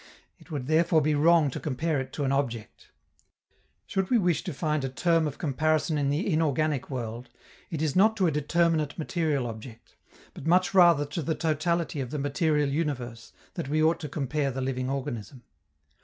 It would therefore be wrong to compare it to an object. Should we wish to find a term of comparison in the inorganic world, it is not to a determinate material object, but much rather to the totality of the material universe that we ought to compare the living organism.